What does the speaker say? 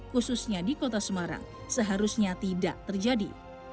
khususnya di kota semarang seharusnya tidak terjadi